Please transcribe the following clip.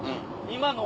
今の。